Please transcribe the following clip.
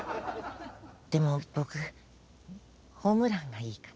でも僕ホームランがいいかな。